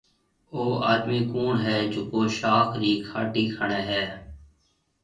او آڏمِي ڪوُڻ هيَ جڪو شاخ رِي کهاٽِي کڻيَ هيَ۔